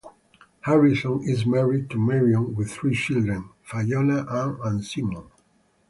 Harrison is married to Marion with three children; Fiona, Anne and Simon.